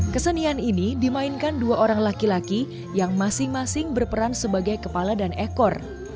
kesenian ini dimainkan dua orang laki laki yang masing masing berperan sebagai kepala dan ekor